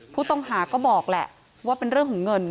ผู้ต้องหาก็บอกแหละว่าเป็นเรื่องของเงิน